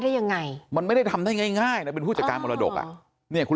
ได้ยังไงมันไม่ได้ทำได้ง่ายนะเป็นผู้จัดการมรดกอ่ะเนี่ยคุณ